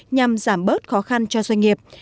nhằm giảm bớt khó khăn cho doanh nghiệp